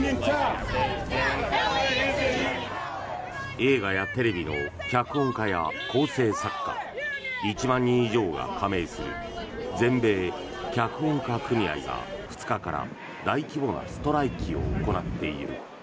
映画やテレビの脚本家や構成作家１万人以上が加盟する全米脚本家組合が２日から大規模なストライキを行っている。